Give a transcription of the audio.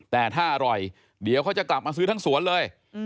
แต่ถ้าอร่อยเดี๋ยวเขาจะกลับมาซื้อทั้งสวนเลย